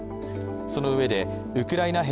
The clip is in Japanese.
そのうえでウクライナ兵